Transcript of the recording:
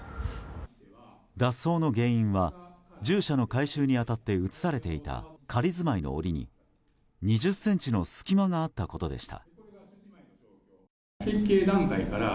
脱走の原因は獣舎の改修に当たって移されていた仮住まいの檻に、２０ｃｍの隙間があったことでした。